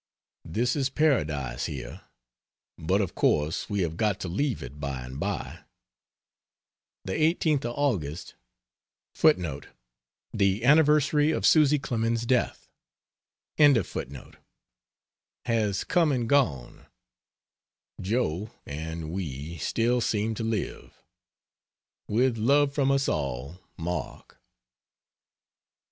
This is paradise, here but of course we have got to leave it by and by. The 18th of August [Anniversary of Susy Clemens's death.] has come and gone, Joe and we still seem to live. With love from us all. MARK.